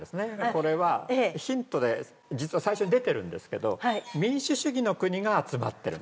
これはヒントで実は最初に出てるんですけど民主主義の国が集まってるんです。